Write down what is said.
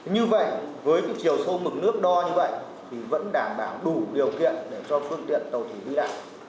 như vậy với chiều sâu mực nước đo như vậy thì vẫn đảm bảo đủ điều kiện để cho phương tiện tàu thủy vi phạm